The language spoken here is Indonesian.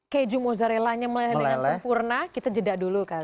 keju mozzarellanya meleleh dengan sempurna kita jeda dulu kali ya